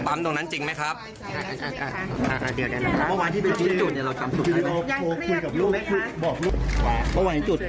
พี่ไม่ได้โดนบังคับให้ทำใช่ไหมคะ